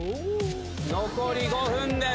残り５分です。